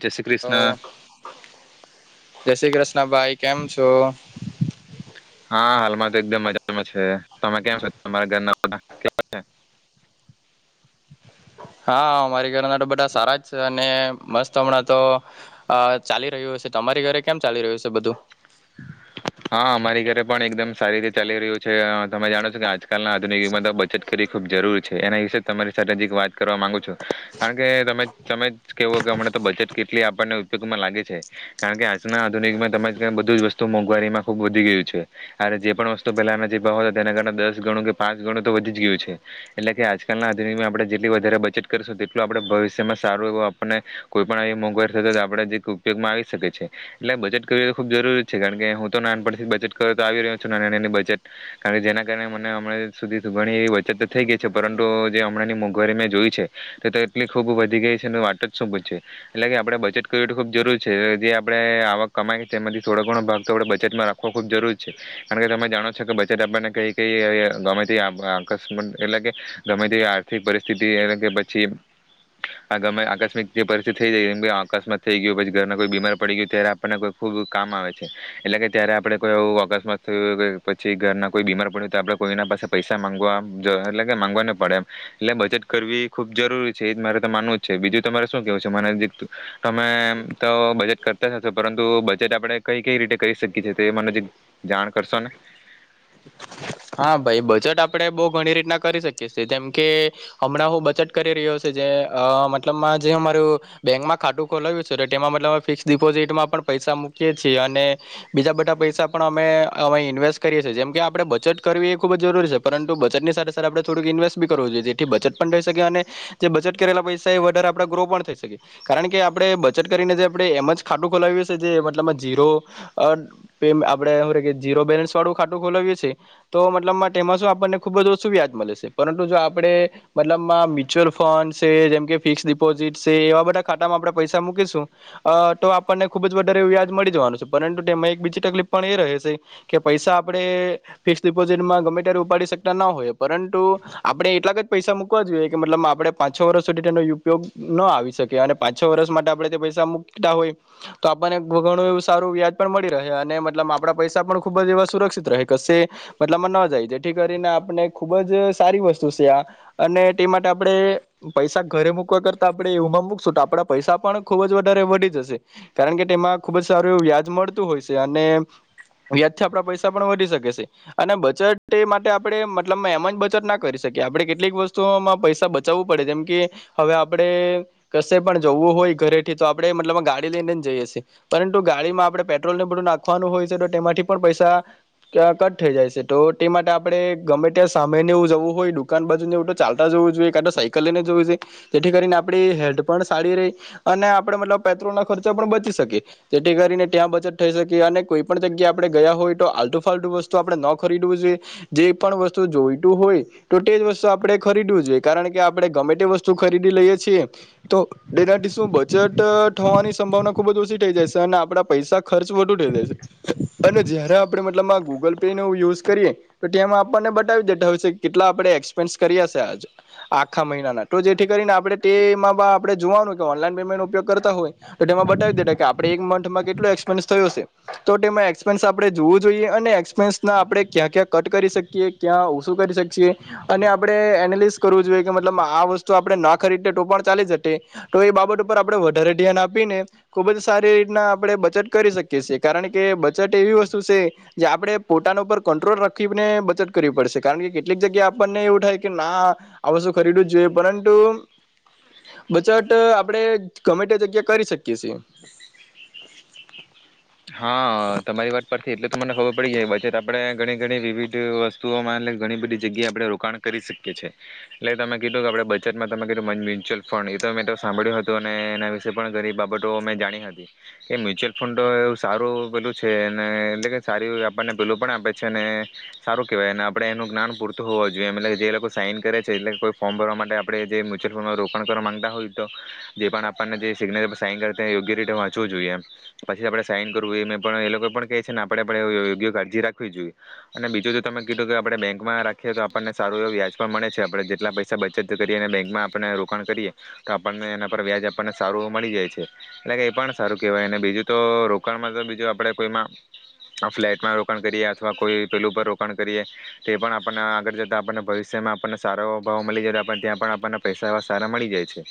જય શ્રી તો ક્રિષ્ના. જય શ્રી કૃષ્ણા ભાઈ, કેમ છો? હા હાલમાં તો એકદમ મજામાં છે. તમે કેમ છો તમારા ઘરના બધા કેમ છે? હા મારી ઘર ના તો બધા સારા જ છે અને મસ્ત હમણાં તો અ ચાલી રહ્યું છે, તમારી ઘરે કેમ ચાલી રહ્યું છે બધું? હા અમારી ઘરે પણ એકદમ સારી રીતે ચાલી રહ્યું છે, તમે જાણો છો કે આજકાલના આધુનિક યુગમાં તો બચત કરવી ખૂબ જરૂરી છે એના વિશે તમારી સાથે હજીક વાત કરવા માંગુ છું. કારણ કે તમે તમે કેવો કે હમણા તો બચેટ કેટલી આપણને ઉપયોગમાં લાગે છે કારણ કે આજના આધુનિકમાં તમે બધું જ વસ્તુ મોંઘવારીમાં. ખુબ વધી ગયું છે અને જે પણ વસ્તુ પેલાના જે ભાવ હતા તેના કારણે દસ ગણું કે પાંચ ગણું તો વધી જ ગયું છે, એટલે કે આજકાલ ના આધુનિકમાં આપણે જેટલી વધારે બજેટ કરશું તેટલું આપણે ભવિષ્યમાં સારું એવું આપણને કોઈ પણ મોંઘવારી થતા આપણે જે ઉપયોગમાં આવી શકે છે, એટલે બજેટ કરવી તો ખૂબ જરૂરી છે કારણ કે હું નાનપણથી બજેટ કરવા તો આવી રહ્યો છું નાની-નાની બજેટ કારણ કે જેના કારણે મને હમણાં સુધી ઘણી બચત તો થઈ ગઈ છે, પરંતુ જે હમણાંની મોંઘવારી મેં જોયઈ છે તો તો એટલી ખૂબ વધી ગઈ છે, અને વાતો જ શું પૂછે જ છે એટલે કે આપણે બજેટ કરવી એ ખૂબ જરૂર છે જે આપણે આવક કમાઈ તેમાંથી થોડો ઘણો ભાગ તો આપણે બજ રાખવો ખૂબ જરૂરી છે કારણ કે તમે જાણો છો કે બચેટ આપણને કઈ કઈ ગમે તે અકસ્મ એટલે કે ગમે તે આર્થિક પરિસ્થિતિ એટલે કે પછી આ આકસ્મિક જે પરિસ્થિતિ થઈઈ એ અકસ્માત થઈ ગયું, પછી ઘરના કોઈ બીમાર પડી ગયું ત્યારે આપણને કોઈ ખૂબ કામ આવે છે એટલે કે ત્યારે આપણે કોઈ એું ઓકસ્માત થયું હોય પછી ઘરના કોઈ બીમાર પડ્યું હોય તો આપણે કોઈના પાસે પૈસા મામાંગવા એટલે કે મામાંગવા ન પડે એમ એટલે બજેટ કરવી ખૂબ જરૂરી છે એ જ મારે તો માનવું જ છે બીજું તમારે શું કેવું છે મને તમેમ તો બજેટ કરતા જ હશો પરંતુ બજેટ આપણે કઈ કઈ રીતે કરી શકીએ છે તે મને જે જાણ કારસો ને હા ભાઈ બચટ આપણે બહુ ઘણી રીતના કરી શકીએ છીએ. જેમ કે હમણાં હું બચત કરી રહ્યો છે જે મતલબમાં જે અમારું બેંકમાં ખાતું ખોલાવ્યું છે તેમાં મતલબ અમે ફિક્સ ડિપોઝિટમાં પણ પૈસા મૂકીએ છીએ, અને બીજા બધા પૈસા પણ અમે અમે ઇન્વેસ્ટ કરીએ છીએ જેમ કે આપણે બજેટ કરવી એ ખૂબ જ જરૂરી છે પરંતુ બચતની સાથે સાથે આપણે થોડુંક ઇન્વેસ્ટ બી કરવું જોઈએ જેથી બચત પણ રહી શકે, અને જે બચત કરેલા પૈસા એ વધારે આપણે ગ્રો પણ થઈ શકીએ કારણ કે આપણે બચત કરીને જે આપણે એમ જ ખાટું ખોલાવીએ જે મતલબમાં જીરો આપણે જીરો બેલેન્સ વાળું ખાટું ખોલાવીએ છીએ તો મતલબ તેમાં શું આપણને ખૂબ જ ઓછું વ્યાજ મળે છે પરંતુ જો આપણે મતલબમાં મ્યુચ્યુઅલ ફંડ છે જેમકે ફિક્સ ડિપોઝિટ છે, એવા બધા ખાતામાં આપણે પૈસા મૂકીશું તો આપણને ખુબ જ વધારે વ્યાજ મળી જવાનું છે પરંતુ તેમાં એક બીજી તકલીફ પણ એ રહે છે કે પૈસા આપણે ફિક્સ ડિપોઝીટમા ગમે ત્યારે ઉપાડી શકતા ના હોય પરંતુ આપણે એટલાક જ પૈસા મૂકવા જોઈએ કે મતલબ આપણે પાંચ છ વર્ષ સુધી તેનો ઉપયોગ ન આવી શકે, અને પાંચ છ વર્ષ માટે આપણે તે પૈસા મૂકતા હોય તો આપણને ઘણું એવું સારું વ્યાજ પણ મળી રહે અને મતલબ આપણા પૈસા પણ ખુબ જ એવા સુરક્ષિત રહે કશે. મતલબમાં ન જાય જેથી કરીને આપણે ખુબ જ સારી વસ્તુ છે આ અને તે માટે આપણે પૈસા ઘરે મૂકવા કરતા આપણે એવુંમાં મૂકશું તો આપણા પૈસા પણ ખુબ જ વધારે વધી જશે કારણ કે તેમાં ખુબ જ સારું એવું વ્યાજ મળતું હોય છે, અને વ્યાજથી આપણા પૈસા પણ વધી શકે છે. અને બચત એ માટે આપણે મતલબ એમાં જ બચત ના કરી શકીએ આપણે કેટલીક વસ્તુઓમાં પૈસા બચાવવું પડે, જેમ કે હવે આપણે કશે પણ જવું હોય ઘરેથી તો આપણે મતલબ ગાડી લઈને જઈએ પરંતુ ગાડીમાં આપણે પેટ્રોલ ને બડું નાખવાનું હોય છે તો તેમાંથી પણ પૈસા કટ થઈ જાય છે તો તે માટે આપણે ગમે ત્યાં સામેને એવું જવું હોય દુકાન બાજુ નેવું તો ચાલતા જવું જોઈએ, કા તો સાયકલ લઈને જવું જોઈએ જેથી કરીને આપડી હેલ્થ પણ સારી રહી અને આપણેે મતલબ પેટ્રોલના ખર્ચો પણ બચી શકી જેથી કરીને ત્યાં બચત થઈ શકે અને કોઈ પણ જગ્યા આપણે ગયા હોય તો આલટુ ફાલતુ વસ્તુ. આપણે ન ખરીદવું જોઈએ. જે પણ વસ્તુ જોઈતું હોય તો તે જ વસ્તુ આપણે ખરીદવું જોઈએ કારણ કે આપણે ગમે તે વસ્તુ ખરીદી લઈએ છીએ, તો એનાથી શું બચત થવાની સંભાવના ખુબ જ ઓછી થઈ જાય છે અને આપડા પૈસા ખર્ચ વધુ થઈ જાય છે અને જયારે આપણે મતલબ ગૂગલ. યુઝ કરીએ તો તેમાં આપણને બતાવી દેતા હોય કેટલા આપણે એક્સપેન્સ કર્યા છે, આ આખા મહિનાના તો જેથી કરીને આપણેમાં આપણે જોવાનું કે ઓનલાઈન પેમેન્ટ નો ઉપયોગ કરતા હોય તો તેમાં બતાવી દેતાા કે આપણે એક મંથમાં કેટલો એક્સપેન્સ થયો છે તો તેમાં એક્સપેન્સ આપણે જોવું જોઈએ અને એક્સપેન્સ ના આપણે ક્યાં ક્યા કટ કરી શકીએ, ક્યાં ઓછું કરી શકીએ, અને આપણે એનાલિસ કરવું જોઈએ, કે મતલબ આ વસ્તુ આપણે ના ખરીદતે ટોપાણ ચાલી જતે તો એ બાબત ઉપર આપણે વધારે ધ્યાન આપીને ખૂબ જ સારી રીતના આપણે બચત કરી શકીએ છીએ, કારણ કે બચત એવી વસ્તુ છે જે આપણે પોતાના ઉપર કંટ્રોલ રખીને બચત કરવી પડશે, કારણ કે કેટલીક જગ્યા આપણને એવું થાય કે ના આ વસ્તુ ખરીદવું જ જોઈએ, પરંતુ બચત આપણે ગમે તે જગ્યા કરી શકીએ છે. હા તમારી વાત પરથી એટલે તો મને ખબર પડી જાય બજેટ આપણે ઘણી ઘણી વિવિધ વસ્તુઓમાં એલે ઘણી બધી જગ્યાએ આપણે રોકાણ કરી શકીએ છીએ. એટલે તમે કીધું કે આપણે બચત માં તમે કીધું મ્યુચ્યુઅલ ફંડ એ તો મે સાંભળ્યું હતું અને એના વિશે પણ ઘણી બાબતો અમે જાણી હતી કે મ્યુચ્યુઅલ ફંડ તો અ સારું પેલું છે ને એટલે કે સારી આપણને પેલું પણ આપે છે અને સારું કેહેવાય આપણે એનું જ્ઞાન પૂરતું હોવા જોઈએ એટલે કે જે લોકો સાઈન કરે છે, એટલે કોઈ ફોર્મ ભરવા માટે આપણે જે મ્યુચ્યુઅલ ફંડમાં રોકાણ કરવા માંગતા હોય તો જે પણ આપણને જે સિગ્નેચર સાઈન કરે એ યોગ્ય રીતે વાંચવું જોઈ એમ પછી આપણે સાઈન કરવું એ પણ એ લોકો પણ કહે છે ને આપણેે પણ યોગ્ય કાળજી રાખવી જોઈએ અને બીજું તો તમે કીધું કે આપણે બેંકમાં રાખીએ તો આપણને સારું એવ વ્યાજ પણ મળે છે, આપણે તેટલા પૈસા બચત કરીએ અને બેંકમાં આપને રોકાણ કરીએ તો આપણને એના પર વ્યાજ આપણને સારું મળી જાય છે, એટલે કે એ પણ સારું કહેવાય અને બીજું તો કાન માતો બીજુ આપણે કોઈમાં આમ ફ્લેટમાં રોકાણ કરીએ અથવા કોઈ પેલું ઉપર રોકાણ કરીએ તે પણ આપણને આગળ જતા આપણને ભવિષ્યમાં આપણને સારો ભાવ મળી જાય ત્યાં પણ આપણને પૈસા એવા સારા મળી જાય છે.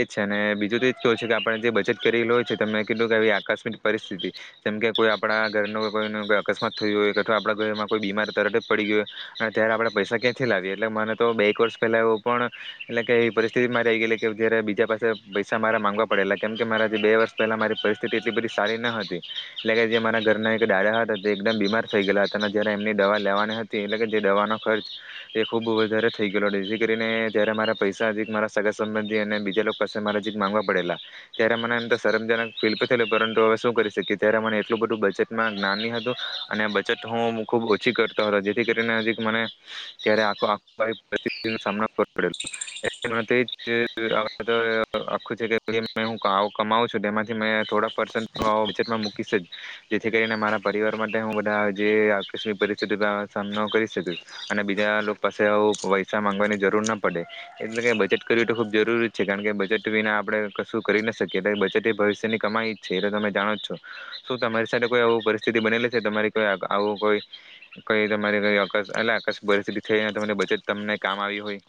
એજ છે અને બીજું તો એજ કહું છે કે આપણે જે બચત કરેલું હોય છે તેમ ને [unintelligible] કે આકસ્મિક પરિસ્થિતિ જેમ કે કોઈ આપણા ઘરનું કોઈ નુ કય અકસ્માત થયું હોય, તથા આપણા ઘરમાં કોઈ બીમારી તરત જ પડી ગઈ હોય અને ત્યારે આપણે પૈસા ક્યાંથી લાવીએ એટલે મને તો બે એક વર્ષ પહેલા એવું પણ એટલે કે એવી પરિસ્થિતિ મારી આવી ગેલી કે, જ્યારે બીજા પાસે પૈસા મારા માંગવા પડેલા કેમ કે મારાજ બે વર્ષ પહેલા મારી પરિસ્થિતિ એટલી બદી સારી ન હતી, એટલે કે જે મારા ઘરના એક દાદા હતા તે એકદમ બીમાર થઈ ગયલા હતા, અને જયારે એમની દવા લેવાની હતી એટલે કે જે દવાનો ખર્ચ એ ખૂબ વધારે થઈ ગયલો હતો જેથી કરીને ત્યારે મારા પૈસા જીક મારા સગા સંબંધી અને બીજા લોક પાસે મારે જીક માંગવા પડેલા, ત્યારે મને એમ તો શરમજનક ફીલ થેલું પરંતુ તો શું કરી શકીએ, ત્યારે મને એટલું બધું બજેટમાં જ્ઞાનની હતું, અને બજેટ હું ખુબ ઓછી કરતો હતો, જેથી કરીને જીક મને [unintelligible] સામનો કરવો [unintelligible] કમાવું છું તેમાંથી થોડા પર્સં [unintelligible] મૂકી શક જેથી કરીને મારા પરિવાર માટે હું. બધા જે આકસ્મિક પરિસ્થિતિનો સામનો કરી શક અને બીજા પાસે આવ પૈસા માંગવાની જરૂર ના પડે, એટલે કે બજેટ કરવી તો ખૂબ જરૂરી છે. કારણ કે બજેટ વિના આપણે કશું કરી ના શકીએ. એટલે બજેટ ભવિષ્યની કમાઈ છ એ તો તમે જાણો જ છો, શું તમારી સાથે કોઈ એ પરિસ્થિતિ બનેલી છે? તમારિ કોઈ આવું કોઈ કઈ તમારી કઈ અકસ એટલે અક પરિસ્થિતિ થેય તમને બચત તમને કામ આવી હોય.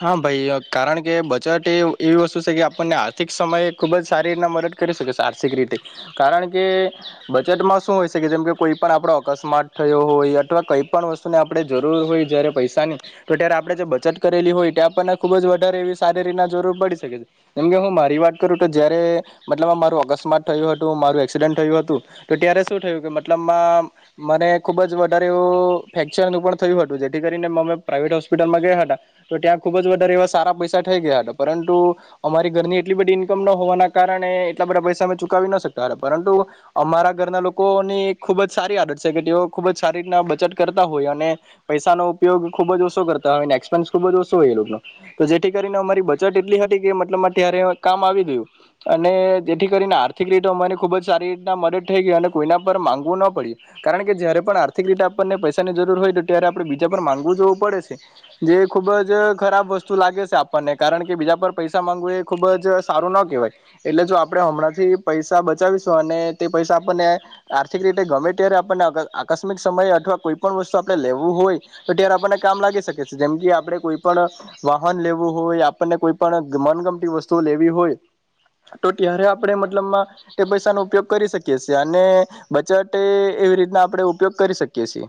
હા ભાઈ, કારણ કે બચત એ એવી વસ્તુ છે. કે આપણને આર્થિક સમયે ખુબ જ સારી રીતે મદદ કરી શકે છે. આર્થિક રીતે કારણ કે બચટમાં શું હોય છે કે, જેમકે કોઈ પણ આપણો અકસ્માત થયો હોય, અથવા કઈ પણ વસ્તુને આપણે જરૂર હોય. જયારે પૈસાની તો ત્યારે આપણે જે બચત કરેલી હોય તે આપણને ખુબ જ વધારે એવી સારી રીતના જરૂર પડી શકે છે. જેમ કે હું મારી વાત કરું તો જારે મતલબ મારું અકસ્માત થયું હતું, મારું એક્સિડન્ટ થયું હતું. તો ત્યારે શું થયું કે મતલબમાં મને ખુબ જ વધારે એવું ફેક્ચરું પણ થયું હતું, જેથી કરીને અમે પ્રાાઈવેટ હોસ્પિટલમાં ગયા હતા તો ત્યાં ખુબ જ વધારે એવા સારા પૈસા થઈ ગયા હતા, પરંતુ અમારી ઘરની એટલી બધી ઈન્કમ ન હોવાના કારણે એટલા બધા પૈસા અમે ચુકાવી ન શકતા હતા. પરંતુ અમારા ઘરના લોકોની ખુબ જ સારી આદત છે. કે તેઓ ખુબ જ સારી રીતના બચત કરતા હોય. અને પૈસાનો ઉપયોગ ખુબ જ ઓછો કરતા હોય. ને એક્સપેન્સ ખૂબ જ ઓછો હોય, એ લોકનો જેથી કરીને અમારી બચત એટલી હતી. કે મતલબમાં ત્યારે કામ આવી ગયું, અને જેથી કરીને આર્થિક રીતે અમાને ખુબ જ સારી રીતના મદદ થઈ ગઈ. અને કોઈના પર માંગવું ન પડ્યું, કારણ કે જયારે પણ આર્થિક રીતે આપણને પૈસાની જરૂર હોય, તો ત્યારે આપણે બીજા પર માંગવું જોવું પડે છે. જે ખુબ જ ખરાબ વસ્તુ લાગે છે, આપણને કારણ કે બીજા પર પૈસા માંગવું એ ખુબ જ સારું ન કહેવાય. એટલે જો આપણે હમણાંથી પૈસા બચાવીશું અને તે પૈસા આપણને આર્થિક રીતે ગમે ત્યારે આપણને આક આકસ્મિક સમયે અથવા કોઈ પણ વસ્તુ આપણે લેવું હોય, તો ત્યારે આપણને કામ લાગી શકે છે. જેમ કે આપણે કોઈ પણ વાહન લેવું હોય, આપણને કોઈ પણ મનગમતી વસ્તુઓ લેવી હોય, તો ત્યારે આપણે મતલબમાં એ પૈસાનો ઉપયોગ કરી શકીએ છીએ. અને બચત એવી રીતના આપણે ઉપયોગ કરી શકીએ છીએ.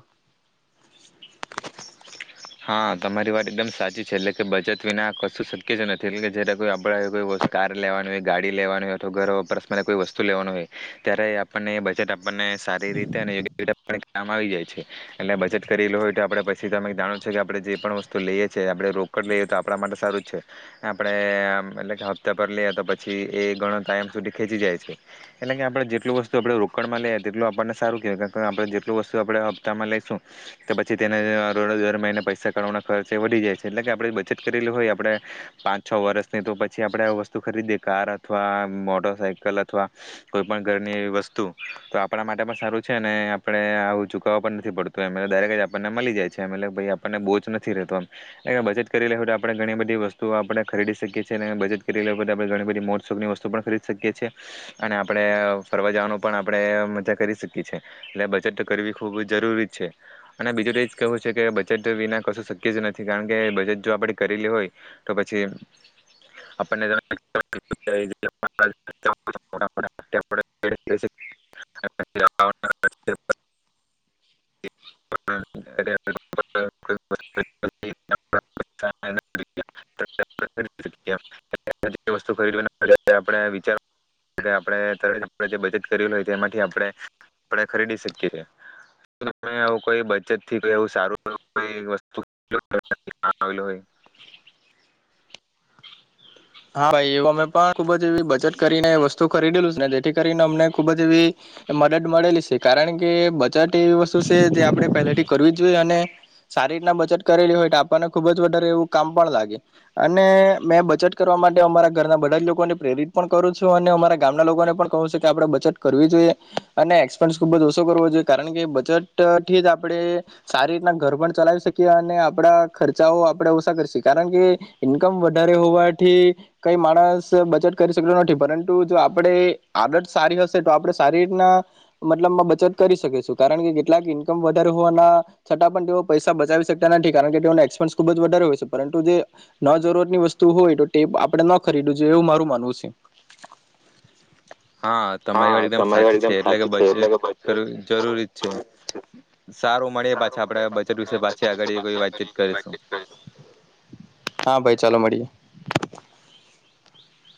હા તમારી વાત એકદમ સાચી છે, એટલે કે બચત વિના કશું શક્ય છે નથી. એટલે કે જયારે કોઈ આપણે કોઈ કાર લેવાની હોય, ગાડી લેવાની હોય અથવા ઘર વપરસ કોઈ વસ્તુ લેવાની હોય, ત્યારે આપણને બચત આપ અને સારી રીતે અને યોગ્ય રીતે આપણે કામ આવી જાય છે. એટલે બચત કરેલું હોય, તો આપડે પછી તમે જાણ છે કે આપણે જે પણ વસ્તુ લઈએ છેએ. આપણે રોકડ લઈએ તો આપણા માટે સારું જ છે. આપણે આમ એટલે કે હપ્તા પર લઈએ તો પછી, એ ઘણો ટાઈમ સુધી ખેંચી જાય છે. એટલે કે આપણે જેટલું વસ્તુ આપણે રોકડ માં લઈએ તેટલું આપણને સારું કેય. આપણે જેટલું વસ્તુ આપણે હપ્તામાં લઈશું તો પછી તેને રોકડ તમે અને પૈસા કરવાના ખર્ચે વધી જાય છે, એટલે કે આપણે બચત કરેલી હોય આપણે પાંચ છ વર્ષની તો પછી. આપણે આ વસ્તુ ખરીદીએ કાર અથવા મોટર સાઇકલ અથવા કોઈ પણ ઘરની એવી વસ્તુ તો આપણા માટે પણ સારું છે, અને ને આપણે આવું ચુકવવા પણ નથી પડતું. એમ ડાયરેક્ટ જ આપણને મળી જાય છે. એમ પાહિ આપણને બોજ નથી રહેતો, એમ બચત કરી લેહુ તો આપણે ઘણી બધી વસ્તુ આપણે ખરીદી શકીએ છીએ, અને બચત કરેલા બધા પૈસા બધી મોજસોખની વસ્તુ પણ ખરીદી શકીએ છીએ. અને આપણે ફરવા જવાનું પણ આપણે મજા કરી શકીએ છીએ. એટલે બચત કરવી ખૂબ જ જરૂરી છે. અને બીજું તો એ જ કહેવું છે. કે [unintelligible] વિના કશું શક્ય જ નથી. કારણ કે, બચત જો આપણે કરેલી હોય, તો પછી આપણને [unintelligible] [unintelligible] બચત કરેલી હોય તેમાંથી આપણે આપ ખરીદી શકીએ. ને આઈ કોઈ બચત થી કોઈ આઉં સારું કય વસ્તુ [unintelligible] આવેલુ હોય. હા ભાઈ, એવ અમે પણ ખુબ જ એવી બચત કરીને વસ્તુ ખરીદેલું છે, ને જેથી કરીને અમને ખૂબ જ એવી મદદ મળેલી છે. કારણ કે બચત એવી વસ્તુ છે, જે આપણે પહેલેથી કરવી જ જોઈએ, અને સારી રીતના બચત કરેલી હોય. તો આપણને ખૂબ જ વધારે એવું કામ પણ લાગે. અને મેં બચત કરવા માટે અમારા ઘરના બધા જ લોકોને પ્રેરિત પણ કરું છું, અને અમારા ગામના લોકોને પણ કહું છે, કે આપે બચત કરવી જોઈએ. અને એક્સપેન્સ ખૂબ જ ઓછો કરવો જોઈએ. કારણ કે, બચત થી જ આપણે સારી રીતના ઘર પણ ચલાવી શકીએ. અને આપણા ખર્ચાઓ આપણે ઓછા કરી શકીએ, કારણ કે ઇનકમ વધારે હોવા થી કઈ માણસ બચત કરી શકતો નથી. પરંતુ જો આપણે આદત સારી હશે, તો આપણે સારી રીતના મતલબમાં બચત કરી શકીયે છે, કારણ કે કેટલાક ઈનકમ વધારે હોવાના છતાં પણ તેઓ પૈસા બચાવી શકતા નથી. કારણ કે, તેઓના એક્સપેન્સ ખુબ જ વધારે હોય છે. પરંતુ જે ન જરૂરતની વસ્તુ હોય તો ટે આપડણે ન ખરીદવું જોઈએ. એવું મારું માનવું છે. હા તમારી વાત એકદમ સાચી છે, એટલે કે બચત કરું જરૂરી જ છે. સારું મળીએ પાછા આપડા બચત વિશે પાછી આગળ કોઈ વાતચીત કરીશું. હા ભાઈ, ચાલો મળીએ. [inaudible]